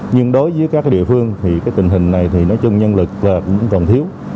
nhưng đối với các địa phương thì cái tình hình này thì nói chung nhân lực cũng còn thiếu